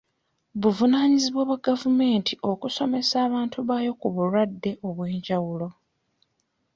Buvunaanyizibwa bwa gavumenti okusomesa abantu baayo ku bulwadde obw'enjawulo.